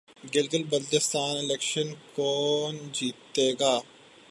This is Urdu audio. گلگت بلتستان الیکشن کون جیتےگا